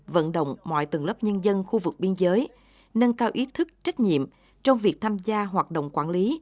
vận động mọi tầng lớp nhân dân khu vực biên giới nâng cao ý thức trách nhiệm trong việc tham gia hoạt động quản lý